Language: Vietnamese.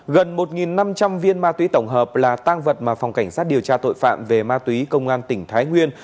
gần một năm trăm linh viên ma túy tổng hợp là tăng vật mà phòng cảnh sát điều tra tội phạm về ma túy công an tỉnh thái nguyên